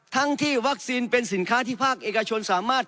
ทั้งที่วัคซีนเป็นสินค้าที่ภาคเอกชนสามารถ